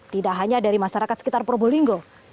tidak hanya dari masyarakat sekitar probolinggo